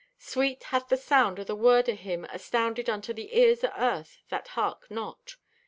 "Sweet hath the sound of the word o' Him asounded unto the ears o' Earth that hark not.